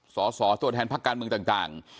สสตัวแทนภัครมือต่าง